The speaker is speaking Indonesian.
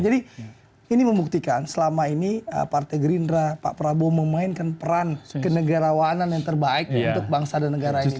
jadi ini membuktikan selama ini partai gerindra pak prabowo memainkan peran kenegarawanan yang terbaik untuk bangsa dan negara ini